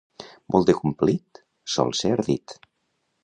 Molt de complit sol ser ardit.